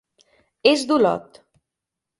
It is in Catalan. És d'Olot.